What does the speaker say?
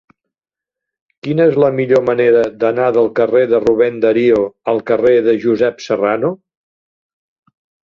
Quina és la millor manera d'anar del carrer de Rubén Darío al carrer de Josep Serrano?